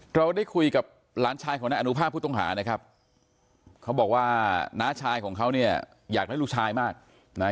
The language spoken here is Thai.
เราได้คุยกับหลานชายของนายอนุภาพผู้ต้องหานะครับเขาบอกว่าน้าชายของเขาเนี่ยอยากได้ลูกชายมากนะฮะ